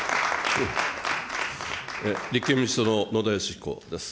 立憲民主党の野田佳彦です。